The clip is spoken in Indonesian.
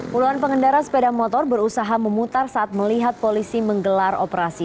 puluhan pengendara sepeda motor berusaha memutar saat melihat polisi menggelar operasi